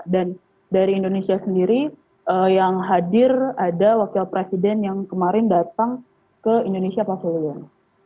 dan dari indonesia sendiri yang hadir ada wakil presiden yang kemarin datang ke indonesia pavilion